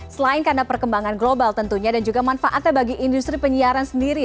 selain karena perkembangan global tentunya dan juga manfaatnya bagi industri penyiaran sendiri